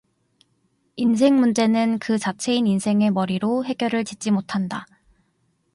인생 문제는 그 자체인 인생의 머리로 해결을 짓지 못한다.